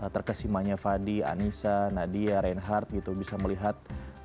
terkesimanya fadi anissa nadia reinhardt gitu bisa melihat